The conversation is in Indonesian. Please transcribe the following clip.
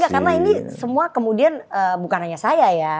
karena ini semua kemudian bukan hanya saya ya